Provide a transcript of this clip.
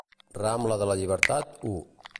Rambla de la Llibertat, u.